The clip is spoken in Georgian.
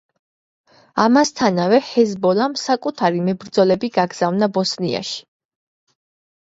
ამასთანავე ჰეზბოლამ საკუთარი მებრძოლები გაგზავნა ბოსნიაში.